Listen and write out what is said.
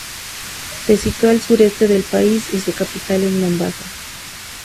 Se sitúa al sureste del país y su capital es Mombasa.